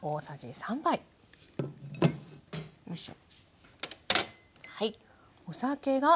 よいしょ。